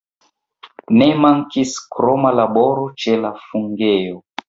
Ne mankis kroma laboro ĉe la fungejo.